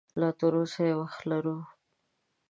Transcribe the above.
لا تراوسه وخت لرو